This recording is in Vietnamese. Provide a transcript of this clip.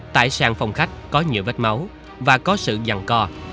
tại sàn phòng khách có nhiều vết máu và có sự dằn co